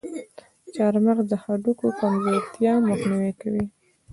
چارمغز د هډوکو کمزورتیا مخنیوی کوي.